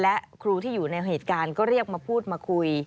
และครูที่อยู่ในเหตุการณ์ก็เรียกมาพูดมาคุย